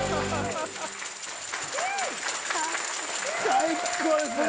最高ですね。